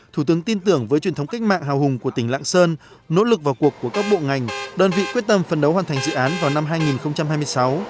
thủ tướng tin tưởng với truyền thống cách mạng hào hùng của tỉnh lạng sơn nỗ lực vào cuộc của các bộ ngành đơn vị quyết tâm phân đấu hoàn thành dự án vào năm hai nghìn hai mươi sáu